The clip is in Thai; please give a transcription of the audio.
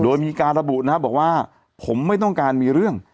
โดยมีการระบุนะครับบอกว่าผมไม่ต้องการมีเรื่อง